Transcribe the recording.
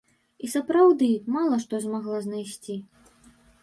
І, сапраўды, мала што змагла знайсці.